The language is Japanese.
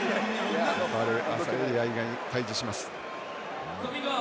ヴァルアサエリ愛が対峙します。